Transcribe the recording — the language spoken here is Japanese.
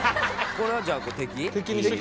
これはじゃあ敵？